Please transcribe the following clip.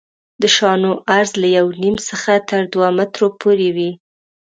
د شانو عرض له یو نیم څخه تر دوه مترو پورې وي